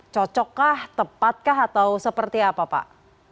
cocokkah tepatkah atau seperti apa pak